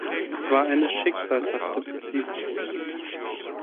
Es war eine schicksalhafte Beziehung.